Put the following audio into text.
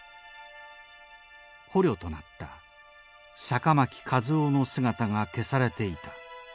捕虜となった酒巻和男の姿が消されていた。